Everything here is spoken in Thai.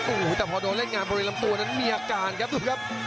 อู้หูแต่พอโดนเล่นงานพริกลำตัวนั้นมีอากาศนรู้ครับ